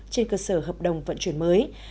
trên cơ sở hợp đồng vận chuyển mới